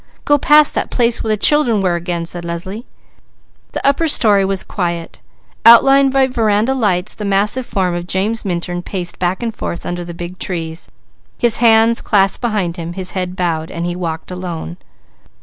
"Go past that place where the children were again!" said Leslie. The upper story was quiet. Outlined by veranda lights the massive form of James Minturn paced back and forth under the big trees, his hands clasped behind him, his head bowed, and he walked alone.